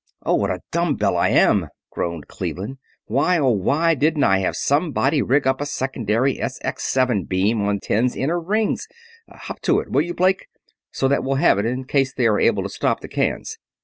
"Oh, what a dumb bell I am!" groaned Cleveland. "Why, oh why didn't I have somebody rig up a secondary SX7 beam on Ten's inner rings? Hop to it, will you, Blake, so that we'll have it in case they are able to stop the cans?"